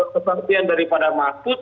kesempatian daripada mahfud